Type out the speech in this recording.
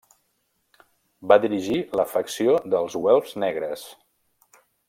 Va dirigir la facció dels Güelfs Negres.